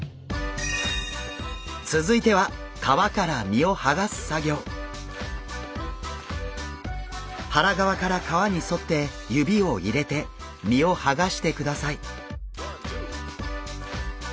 続いては腹側から皮に沿って指を入れて身をはがしてください。